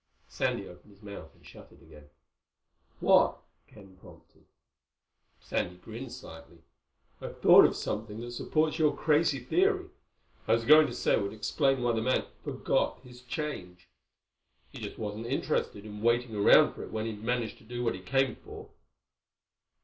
Sandy opened his mouth and shut it again. "What?" Ken prompted. Sandy grinned slightly. "I thought of something that supports your crazy theory. I was going to say it would explain why the man 'forgot' his change. He just wasn't interested in waiting around for it when he'd managed to do what he came for."